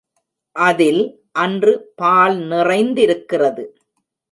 அதில் அன்று பால் நிறைந்திருக்கிறது.